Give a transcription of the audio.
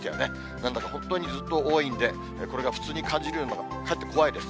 なんだか、本当にずっと多いんで、これが普通に感じるのがかえって怖いです。